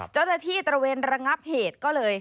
เจ้าหน้าที่ตระเวนระงับเหตุก็เลย